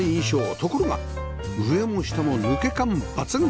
ところが上も下も抜け感抜群！